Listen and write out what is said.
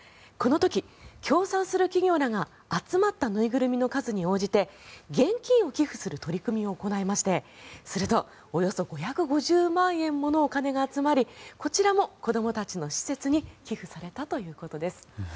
この時、協賛する企業らが集まった縫いぐるみの数に応じて現金を寄付する取り組みを行いましてすると、およそ５５０万円ものお金が集まりこちらも子どもたちの施設に寄付されたということです。